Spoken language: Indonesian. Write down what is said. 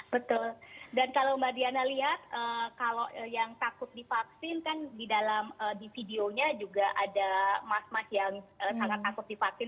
betul dan kalau mbak diana lihat kalau yang takut divaksin kan di dalam di videonya juga ada mas mas yang sangat takut divaksin